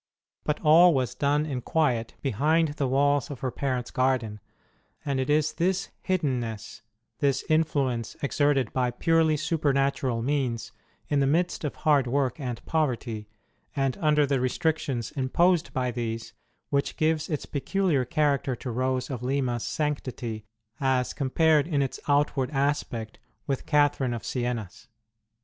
But all was done in quiet behind the walls of her parents garden ; and it is this hiddenness, this influence exerted by purely supernatural means in the midst of hard work and poverty, and under the restrictions imposed by these, which gives its peculiar character to Rose of Lima s sanctity as compared in its outward aspect with Catherine of Siena s.